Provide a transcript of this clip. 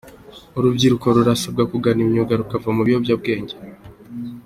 Urubyiruko rurasabwa kugana imyuga rukava mu biyobyabwenge